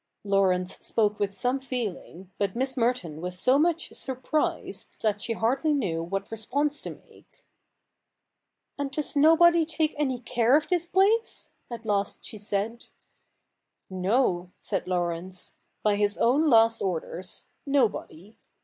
Laurence spoke with some feeling, but Miss Merton was so much surprised that she hardly knew what response to make. ' And does nobody take any care of this place ?" at last she said. ' No,' said Laurence. ' By his own last orders, nobody.